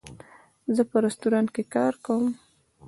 زه په رستورانټ کې کار کوم